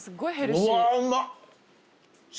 うわうまっ。